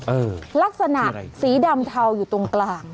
เออนี่ไงลักษณะสีดำเทาอยู่ตรงกลาง